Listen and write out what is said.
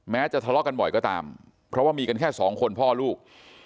จะทะเลาะกันบ่อยก็ตามเพราะว่ามีกันแค่สองคนพ่อลูก